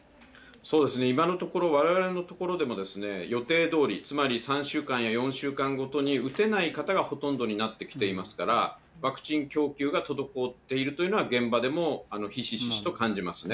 今のところ、われわれの所でも、予定どおり、つまり３週間や４週間ごとに打てない方がほとんどになってきてますから、ワクチン供給が滞っているというのは現場でもひしひしと感じますね。